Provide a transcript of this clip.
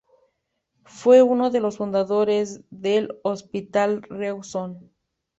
Fue uno de los fundadores del Hospital Rawson.